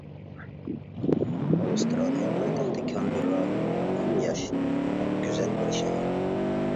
ئاۋسترالىيە پايتەختى كانبېررا ھەم ياش، ھەم گۈزەل بىر شەھەر.